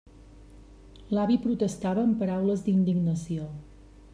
L'avi protestava amb paraules d'indignació.